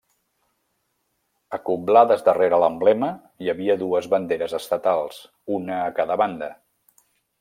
Acoblades darrere l'emblema hi havia dues banderes estatals, una a cada banda.